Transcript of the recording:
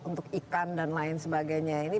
untuk ikan dan lain sebagainya